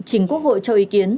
chính quốc hội cho ý kiến